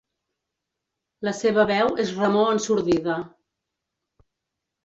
La seva veu és remor ensordida.